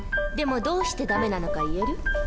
でもどうして駄目なのか言える？